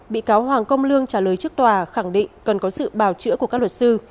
bị cáo hoàng công lương trả lời trước tòa khẳng định cần có sự bào chữa của các luật sư